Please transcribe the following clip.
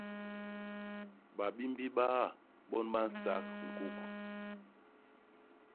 Babimbi baa bon ba nsak ñkuk.